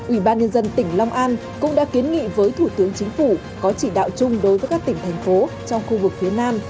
ủy ban nhân dân tỉnh long an cũng đã kiến nghị với thủ tướng chính phủ có chỉ đạo chung đối với các tỉnh thành phố trong khu vực phía nam